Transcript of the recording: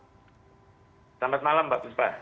selamat malam mbak kuspa